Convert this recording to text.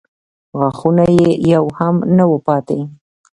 غاښونه یې يو هم نه و پاتې.